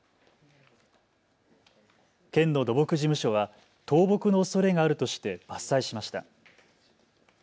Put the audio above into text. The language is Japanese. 県の土木事務所は倒木のおそれがあるとして伐採しました。